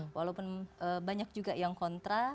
walaupun banyak juga yang kontra